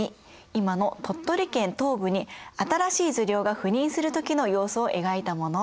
今の鳥取県東部に新しい受領が赴任する時の様子を描いたもの。